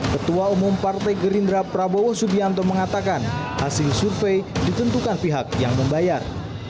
ketua umum partai gerindra prabowo subianto mengatakan hasil survei ditentukan pihak yang membayar